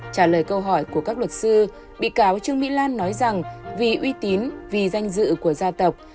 trả lời câu hỏi của các luật sư bị cáo trương mỹ lan nói rằng vì uy tín vì danh dự của gia tộc